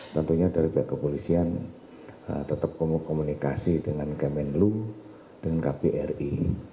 tentunya dari pihak kepolisian tetap komunikasi dengan kemenlu dan kbri